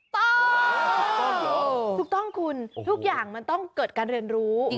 ถูกต้องถูกต้องคุณทุกอย่างมันต้องเกิดการเรียนรู้